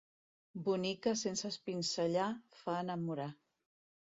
Bonica sense espinzellar, fa enamorar.